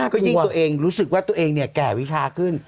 ก็ยิ่งตัวเองรู้สึกว่าตัวเองแก่วิชาขึ้น